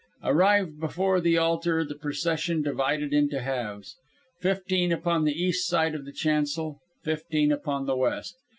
Arrived before the altar the procession divided into halves, fifteen upon the east side of the chancel, fifteen upon the west.